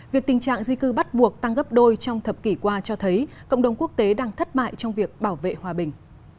việc tình trạng di cư bắt buộc tăng gấp đôi trong thập kỷ qua cho thấy cộng đồng quốc tế đang thất bại trong việc bảo vệ hòa bình